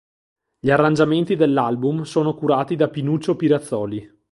Gli arrangiamenti dell'album sono curati da Pinuccio Pirazzoli.